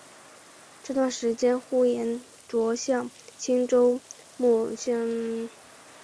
这段时期呼延灼向青州慕容知府暂借一匹青鬃马为坐骑。